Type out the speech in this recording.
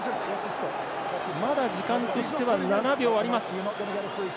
まだ時間としては７秒あります。